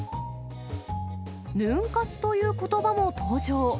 ヌン活ということばも登場。